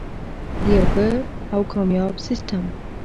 د یو ښه او کامیاب سیستم.